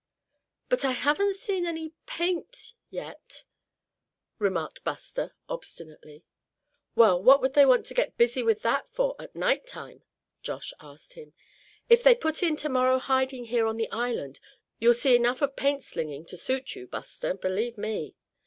"But I haven't seen any paint yet," remarked Buster, obstinately. "Well, what would they want to get busy with that for at night time?" Josh asked him. "If they put in tomorrow hiding here on the island you'll see enough of paint slingin' to suit you, Buster, believe me.